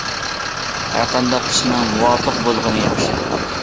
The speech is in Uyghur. ھەرقانداق ئىشنىڭ مۇۋاپىق بولغىنى ياخشى.